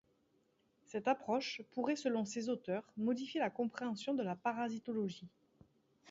Cette approche pourrait selon ces auteurs modifier la compréhension de la parasitologie.